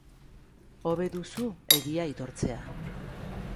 Hobe duzu egia aitortzea.